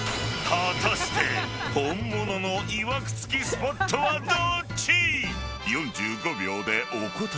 ［果たして本物のいわくつきスポットはどっち？］